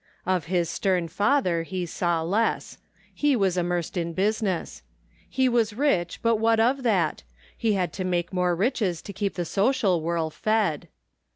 Of his stem father he saw less. He was immersed in business. He was rich, but what of that? He had to make more riches to keep the social whirl fed.